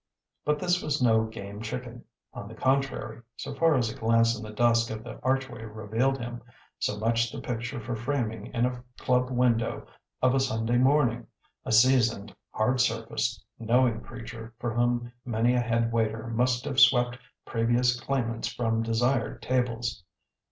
But this was no game chicken; on the contrary (so far as a glance in the dusk of the archway revealed him), much the picture for framing in a club window of a Sunday morning; a seasoned, hard surfaced, knowing creature for whom many a head waiter must have swept previous claimants from desired tables.